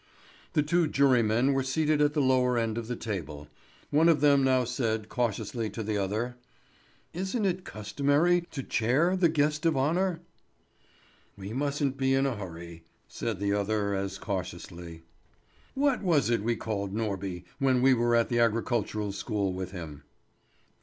The two jurymen were seated at the lower end of the table. One of them now said cautiously to the other: "Isn't it customary to chair the guest of honour?" "We musn't be in a hurry," said the other as cautiously. "What was it we called Norby, when we were at the agricultural school with him?"